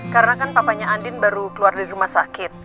karena kan papanya andin baru keluar dari rumah sakit